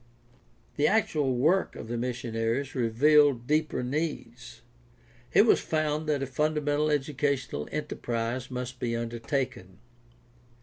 The actual work of the missionaries revealed deeper needs. It was found that a fundamental educational enterprise must be undertaken.